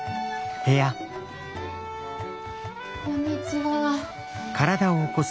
こんにちは。